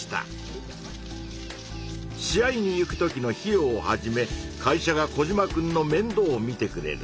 試合に行くときの費用をはじめ会社がコジマくんのめんどうをみてくれる。